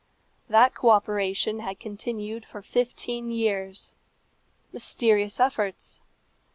That co operation had continued for fifteen years. Mysterious efforts!